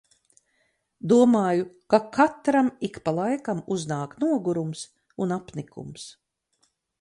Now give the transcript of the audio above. Domāju, ka katram ik pa laikam uznāk nogurums un apnikums.